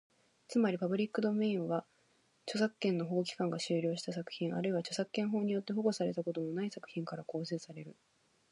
つまり、パブリックドメインは、著作権の保護期間が終了した作品、あるいは著作権法によって保護されたことのない作品から構成される。